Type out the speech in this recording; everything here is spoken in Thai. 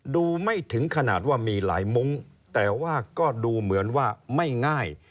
ดูไม่ถึงขนาดว่ามีหลายมุ้งแต่ว่าก็ดูเหมือนว่าไม่ง่าย